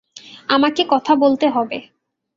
আমাকে কথা বলতে হবে।